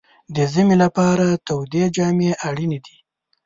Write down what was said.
د ژمي لپاره تودې جامې اړینې دي.